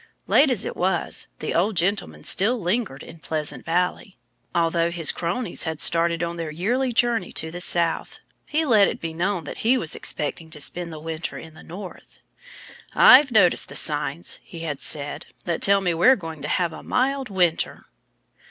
Late as it was, the old gentleman still lingered in Pleasant Valley. Although his cronies had started on their yearly journey to the South, he let it be known that he was expecting to spend the winter in the North. "I've noticed signs," he had said, "that tell me we're going to have a mild winter."